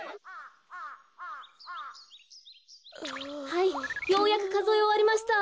はいようやくかぞえおわりました。